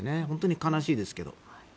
本当に悲しいですけど。